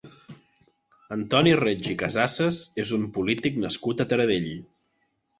Antoni Reig i Casassas és un polític nascut a Taradell.